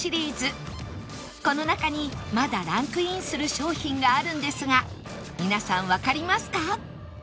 この中にまだランクインする商品があるんですが皆さんわかりますか？